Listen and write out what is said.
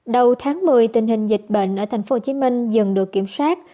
đầu tháng một mươi tình hình dịch bệnh ở tp hcm dần được kiểm soát